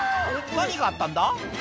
何があったんだ？